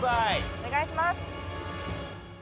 お願いします。